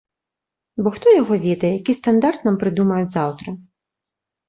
Бо хто яго ведае, які стандарт нам прыдумаюць заўтра.